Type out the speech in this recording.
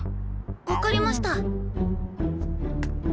わかりました。